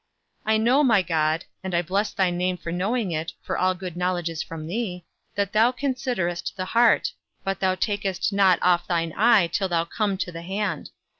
I know, my God (and I bless thy name for knowing it, for all good knowledge is from thee), that thou considerest the heart; but thou takest not off thine eye till thou come to the hand.